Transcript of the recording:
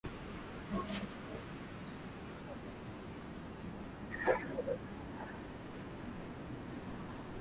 aina ya viazi vinavyopenelewa ni Pananzala sinja karoti C matanya vumilia kibakuli na simama